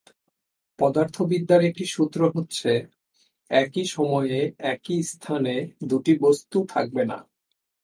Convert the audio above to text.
পদার্থবিদ্যার একটি সূত্র হচ্ছে, একই সময়ে একই স্থানে দুটি বস্তু থাকবে না।